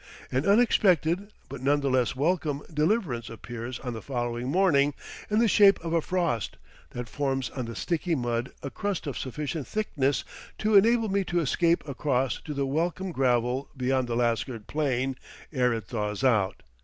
An unexpected, but none the less welcome, deliverance appears on the following morning in the shape of a frost, that forms on the sticky mud a crust of sufficient thickness to enable me to escape across to the welcome gravel beyond the Lasgird Plain ere it thaws out.